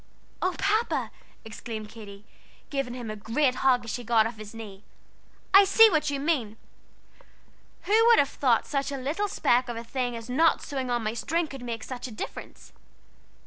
"Oh, Papa!" exclaimed Katy, giving him a great hug as she got off his knee, "I see what you mean! Who would have thought such a little speck of a thing as not sewing on my string could make a difference?